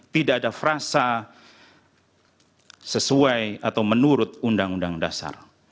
tidak ada frasa sesuai atau menurut undang undang dasar